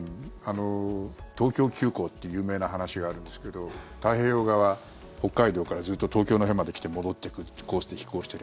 東京急行って有名な話があるんですけど太平洋側、北海道からずっと東京の辺まで来て戻っていくコースで飛行してる。